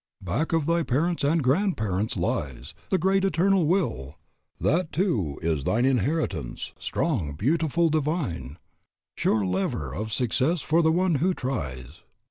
"Back of thy parents and grandparents lies The Great Eternal Will! That too is thine Inheritance, strong, beautiful, divine, Sure lever of success for one who tries.